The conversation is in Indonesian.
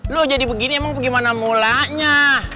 lo jadi begini emang bagaimana mulanya